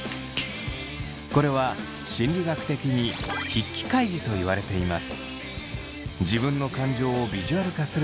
これは心理学的に筆記開示と言われています。